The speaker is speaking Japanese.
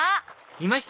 いました？